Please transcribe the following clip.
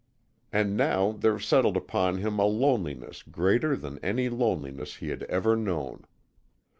And now there settled upon him a loneliness greater than any loneliness he had ever known.